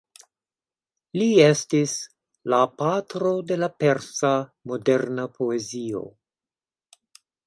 Li estis "la patro de la persa moderna poezio".